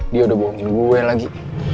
dia udah bohongin gue lagi